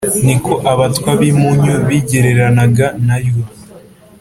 niko abatwa b’impunyu bigereranaga na ryo